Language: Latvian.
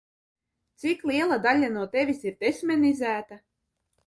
Cik liela daļa no tevis ir tesmenizēta?